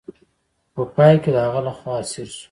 خو په پای کې د هغه لخوا اسیر شو.